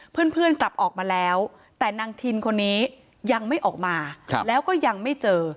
เพื่อนกลับออกมาแล้วแต่นางทินคนนี้ยังไม่ออกมาแล้วก็ยังไม่เจอ